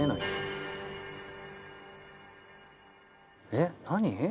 えっ何？